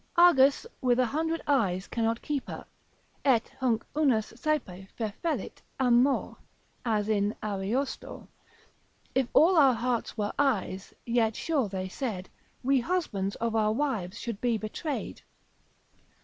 Argus with a hundred eyes cannot keep her, et hunc unus saepe fefellit amor, as in Ariosto, If all our hearts were eyes, yet sure they said We husbands of our wives should be betrayed.